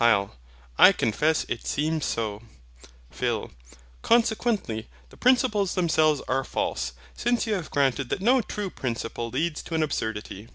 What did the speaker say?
HYL. I confess it seems so. PHIL. Consequently, the principles themselves are false, since you have granted that no true principle leads to an absurdity.